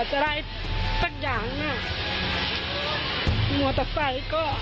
จ้าเราทำไรไง